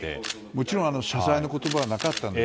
もちろん、謝罪の言葉はなかったんです。